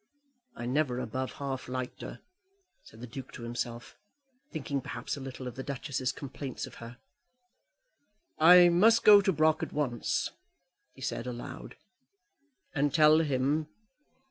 "I never above half liked her," said the Duke to himself, thinking perhaps a little of the Duchess's complaints of her. "I must go to Brock at once," he said aloud, "and tell him.